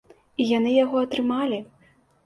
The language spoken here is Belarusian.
І яны яго атрымалі.